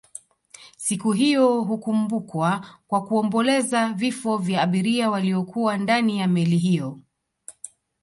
Siku hiyo hukumbukwa kwa kuomboleza vifo vya abiria waliokuwa ndani ya meli hiyo